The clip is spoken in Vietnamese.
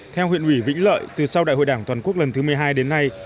theo huyện ủy vĩnh lợi từ sau đại hội đảng toàn quốc lần thứ một mươi hai đến nay